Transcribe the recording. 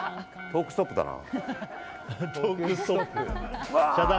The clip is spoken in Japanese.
トークストップだな。